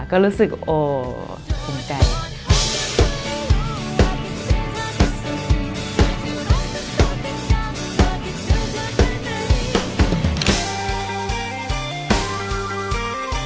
ก็รู้สึกโอ้วสุดใจ